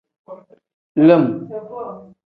Lim.